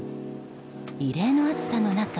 異例の暑さの中